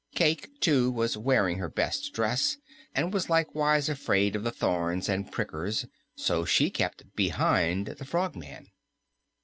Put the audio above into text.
Cayke, too, was wearing her best dress and was likewise afraid of the thorns and prickers, so she kept behind the Frogman.